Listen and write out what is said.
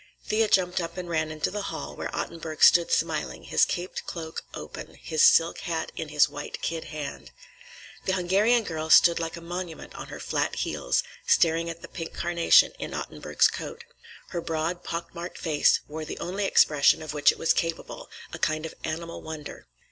Thea jumped up and ran into the hall, where Ottenburg stood smiling, his caped cloak open, his silk hat in his white kid hand. The Hungarian girl stood like a monument on her flat heels, staring at the pink carnation in Ottenburg's coat. Her broad, pockmarked face wore the only expression of which it was capable, a kind of animal wonder.